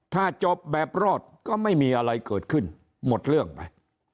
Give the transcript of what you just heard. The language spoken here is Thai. ถ้าจบแบบรอดก็ไม่มีอะไรเกิดขึ้นหมดเรื่องไป